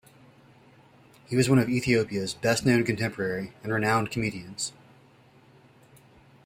He was one of Ethiopia's best known contemporary and renowned comedians.